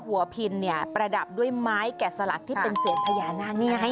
หัวพินเนี่ยประดับด้วยไม้แก่สลักที่เป็นเสวียรพญานา